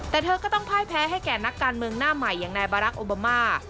แต่เธอก็ต้องพ่ายแพ้ให้แก่นักการเมืองหน้าใหม่อย่างนายบารักษ์โอบามา